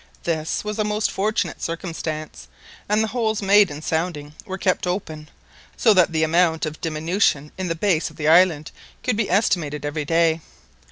This was a most fortunate circumstance, and the holes made in sounding were kept open, so that the amount of diminution in the base of the island could be estimated every day.